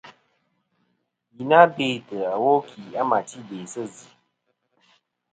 Yi na bêtɨ iwo kì a ma ti be sɨ zɨ.